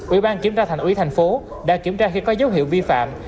ủy ban kiểm tra thành ủy tp hcm đã kiểm tra khi có dấu hiệu vi phạm